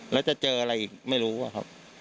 แล้วจะเจออะไรอีกไม่รู้อะครับ